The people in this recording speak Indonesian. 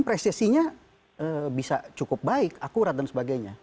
presesinya bisa cukup baik akurat dan sebagainya